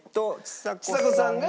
ちさ子さんが。